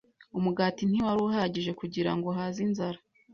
Umugati ntiwari uhagije kugirango uhaze inzara.